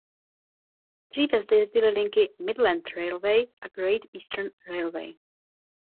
Dříve zde jezdily linky Midland Railway a Great Eastern Railway.